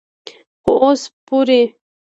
خو اوسه پورې